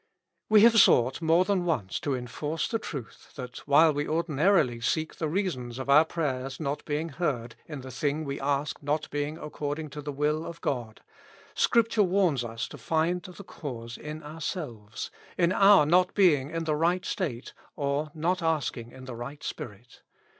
We have sought more than once to enforce the truth, that while we ordinarily seek the reasons of our prayers not being heard in the thing we ask not being according to the will of God, Scripture warns us to find the cause in ourselves, in our not being in the right state or not asking in the right spirit.